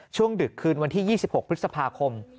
ดึกคืนวันที่๒๖พฤษภาคม